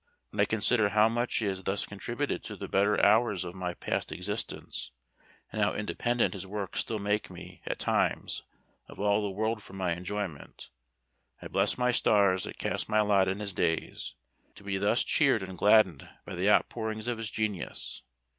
When I consider how much he has thus contributed to the better hours of my past existence, and how independent his works still make me, at times, of all the world for my enjoyment, I bless my stars that cast my lot in his days, to be thus cheered and gladdened by the outpourings of his genius.